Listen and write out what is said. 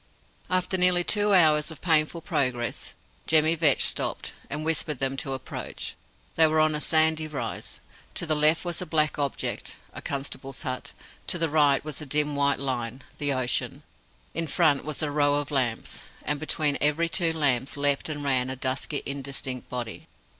After nearly two hours of painful progress, Jemmy Vetch stopped, and whispered them to approach. They were on a sandy rise. To the left was a black object a constable's hut; to the right was a dim white line the ocean; in front was a row of lamps, and between every two lamps leapt and ran a dusky, indistinct body.